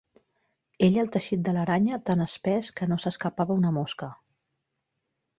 Ella el teixit de l'aranya, tant espès, que no s'escapava una mosca.